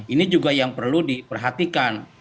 ini juga yang perlu diperhatikan